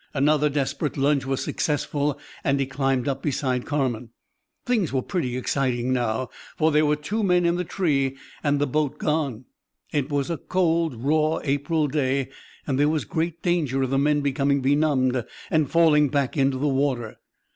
Another desperate lunge was successful, and he climbed up beside Carman. "Things were pretty exciting now, for there were two men in the tree, and the boat gone. It was a cold, raw April day, and there was great danger of the men becoming benumbed and falling back into the water.